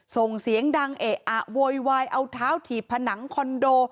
ส่งเสียงดังเอะอะโวยวายเอาเท้าถีบผนังคอนโด